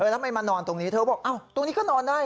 เธอบอกว่าตรงนี้ก็นอนได้